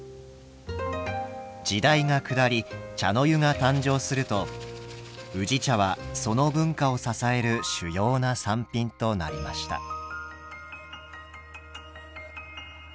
時代が下り茶の湯が誕生すると宇治茶はその文化を支える主要な産品となりました。